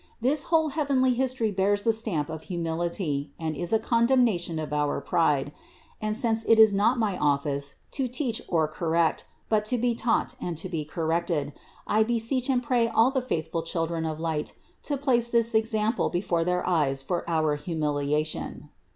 This whole heavenly history bears the stamp of humility, and is a condemnation of our pride. And since it is not my office to teach or cor rect, but to be taught and to be corrected, I beseech and pray all the faithful children of light to place this ex ample before their eyes for our humiliation.